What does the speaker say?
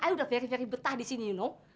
ibu udah betah di sini you know